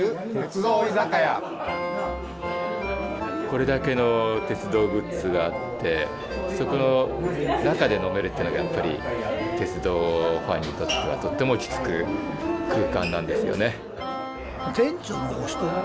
これだけの鉄道グッズがあってそこの中で飲めるっていうのは鉄道ファンにとってはとても落ち着く空間なんですよね。